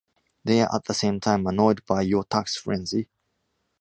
They are at the same time annoyed by your tax frenzy.